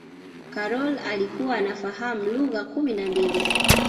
karol alikuwa anafahamu lugha kumi na mbili